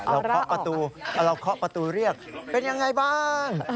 เราเคาะประตูเรียกเป็นอย่างไรบ้าง